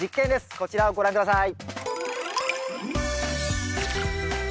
こちらをご覧下さい。